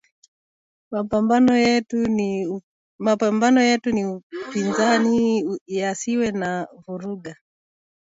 Mapambano yetu ni upinzani yasiwe na vuruga